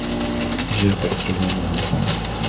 J’ai retrouvé mon enfant!